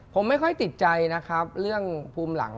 ผมไม่ค่อยติดใจนะครับเรื่องภูมิหลัง